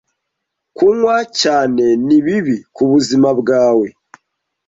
Kunywa cyane ni bibi kubuzima bwawe.